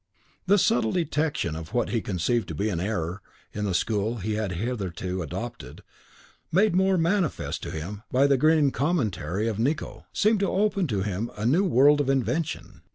The subtle detection of what he conceived to be an error in the school he had hitherto adopted, made more manifest to him by the grinning commentary of Nicot, seemed to open to him a new world of invention.